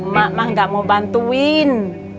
mak mah gak mau bantuin